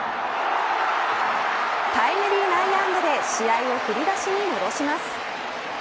タイムリー内野安打で試合を振り出しに戻します。